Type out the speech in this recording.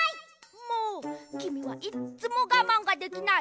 もうきみはいっつもがまんができない。